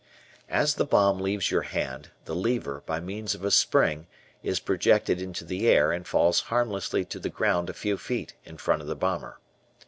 As the bomb leaves your hand, the lever, by means of a spring, is projected into the air and falls harmlessly to the ground a few feet in front of the bomber.